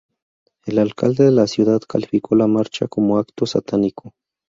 El alcalde de la ciudad calificó la marcha como 'acto satánico'.